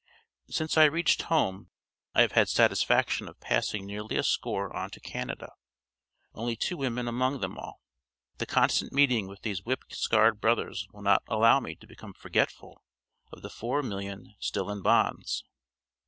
"Since I reached home I have had the satisfaction of passing nearly a score on to Canada, only two women among them all. The constant meeting with these whip scarred brothers will not allow me to become forgetful of the four millions still in bonds."